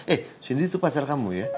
eh cindy itu pacar kamu ya